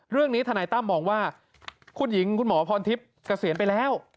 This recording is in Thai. ทนายตั้มมองว่าคุณหญิงคุณหมอพรทิพย์เกษียณไปแล้ว